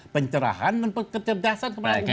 pencerahan dan kecerdasan kepada